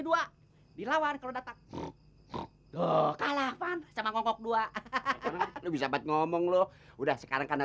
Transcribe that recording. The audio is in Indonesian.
dua dilawan kalau datang kalah sama ngok dua hahaha bisa ngomong loh udah sekarang karena